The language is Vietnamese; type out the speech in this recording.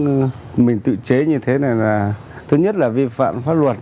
một loại súng mình tự chế như thế này là thứ nhất là vi phạm pháp luật